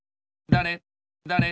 だれだれ